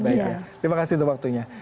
terima kasih untuk waktunya